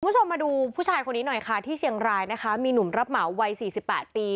คุณผู้ชมมาดูผู้ชายคนนี้หน่อยค่ะที่เชียงรายนะคะมีหนุ่มรับเหมาวัยสี่สิบแปดปี